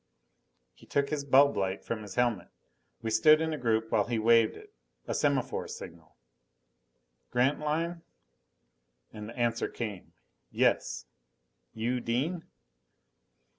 He took his bulb light from his helmet; we stood in a group while he waved it. A semaphore signal. "Grantline?" And the answer came, "_Yes. You, Dean?